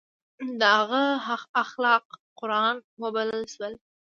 د هغه اخلاق قرآن وبلل شول.